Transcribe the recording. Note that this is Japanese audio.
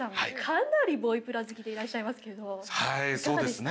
かなり『ボイプラ』好きでいらっしゃいますけどいかがでした？